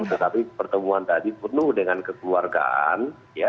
tetapi pertemuan tadi penuh dengan kekeluargaan